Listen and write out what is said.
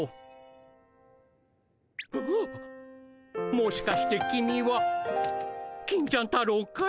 もしかして君は金ちゃん太郎かい？